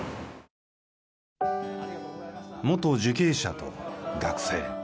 元受刑者と学生。